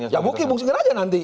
ya mungkin aja nanti